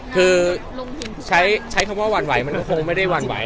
คือใช้คำว่าหวั่นไหวมันก็คงไม่ได้หวั่นไหว